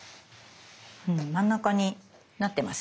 真ん中になってます。